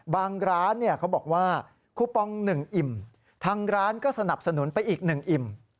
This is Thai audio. บางร้านเขาบอกว่าคูปอง๑อิ่มทางร้านก็สนับสนุนไปอีก๑อิ่ม